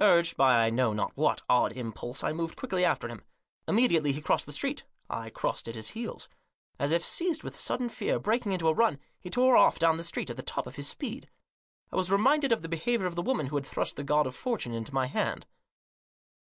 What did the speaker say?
Urged by I know not what odd impulse, I moved quickly after him. Immediately, he crossed the street. I crossed at his heels. As if seized with sudden fear, breaking into a run, he tore off down the street at the top of his speed. I was reminded of the behaviour of the woman who had thrust the God of Fortune into my hand.